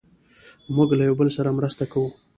موږ له یو بل سره مرسته کوو.